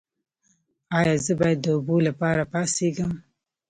ایا زه باید د اوبو لپاره پاڅیږم؟